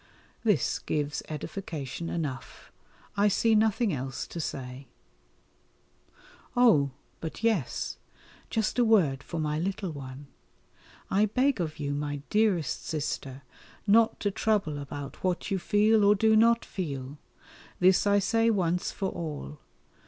This gives edification enough. I see nothing else to say. Oh! but yes; just a word for my Little One. I beg of you, my dearest Sister, not to trouble about what you feel or do not feel this I say once for all.